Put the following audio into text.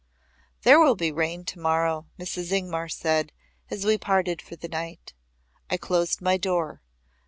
"There will be rain tomorrow." Mrs. Ingmar said, as we parted for the night. I closed my door.